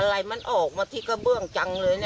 เขาออกมาที่กระเบื้องจังเลย